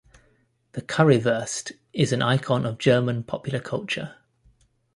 The currywurst is an icon of German popular culture.